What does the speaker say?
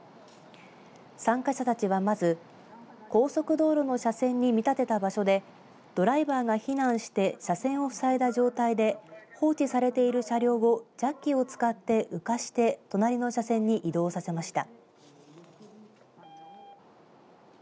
参加者たちは、まず高速道路の車線に見立てた場所でドライバーが避難して車線を塞いだ状態で放置されている車両をジャッキを使って浮かして隣の車線に移動させました。